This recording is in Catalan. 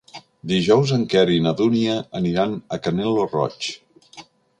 Dijous en Quer i na Dúnia aniran a Canet lo Roig.